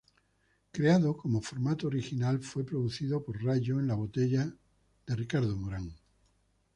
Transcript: Creado como formato original, fue producido por Rayo en la botella de Ricardo Morán.